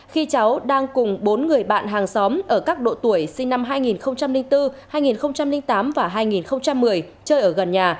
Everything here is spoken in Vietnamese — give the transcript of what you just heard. khi cháu đang cùng bốn người bạn hàng xóm ở các độ tuổi sinh năm hai nghìn bốn hai nghìn tám và hai nghìn một mươi chơi ở gần nhà